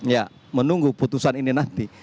ya menunggu putusan ini nanti